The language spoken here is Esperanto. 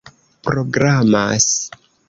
programas